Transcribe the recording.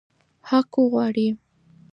حق وغواړئ.